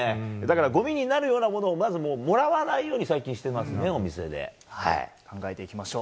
ごみになるようなものをもらわないように考えていきましょう。